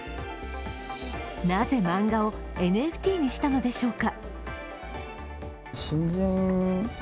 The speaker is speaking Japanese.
なぜ、漫画をＮＦＴにしたのでしょうか？